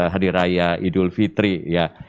hari raya idul fitri ya